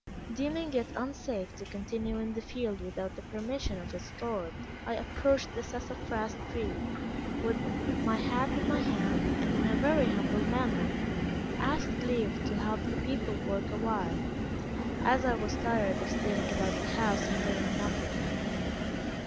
Deeming it unsafe to continue in the field without the permission of its lord, I approached the sassafras tree, with my hat in my hand, and in a very humble manner, asked leave to help the people work awhile, as I was tired of staying about the house and doing nothing.